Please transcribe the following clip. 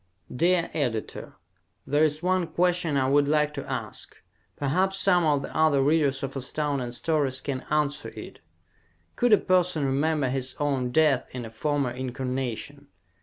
_ Dear Editor: There is one question I would like to ask. Perhaps some of the other readers of Astounding Stories can answer it. Could a person remember his own death in a former incarnation?